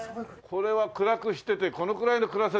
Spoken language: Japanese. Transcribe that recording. これは暗くしててこのくらいの暗さじゃないとね。